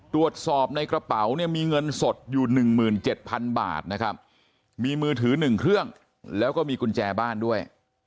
ตรวจสอบในกระเป๋าเนี่ยมีเงินสดอยู่๑๗๐๐บาทนะครับมีมือถือ๑เครื่องแล้วก็มีกุญแจบ้านด้วย